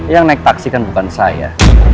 yang naik taksi kan bukan saya